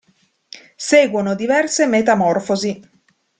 Seguono diverse "metamorfosi".